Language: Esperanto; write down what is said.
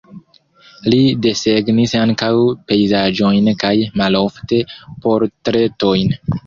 Li desegnis ankaŭ pejzaĝojn kaj malofte portretojn.